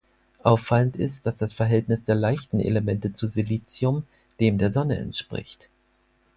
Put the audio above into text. Auffallend ist, dass das Verhältnis der leichten Elemente zu Silizium dem der Sonne entspricht.